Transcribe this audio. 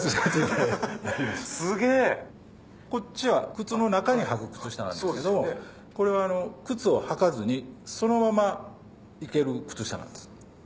こっちは靴の中にはく靴下なんですけどこれは靴を履かずにそのまま行ける靴下なんです。